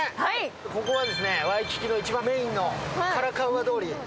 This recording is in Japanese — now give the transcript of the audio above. ここはワイキキの一番メインのカラカウワ通り。